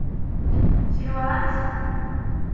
Tluɛamt?